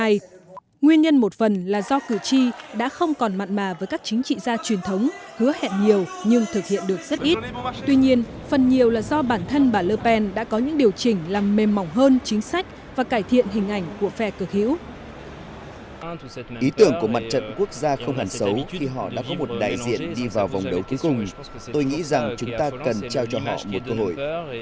ý tưởng của mặt trận quốc gia không hẳn xấu khi họ đã có một đại diện đi vào vòng đấu cuối cùng tôi nghĩ rằng chúng ta cần trao cho họ một cơ hội